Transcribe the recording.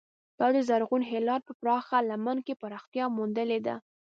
دا د زرغون هلال په پراخه لمن کې پراختیا موندلې ده.